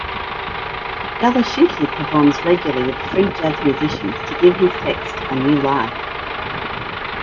Dalachinsky performs regularly with free-jazz musicians to give his text a new life.